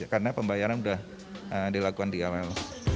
karena pembayaran sudah dilakukan di awal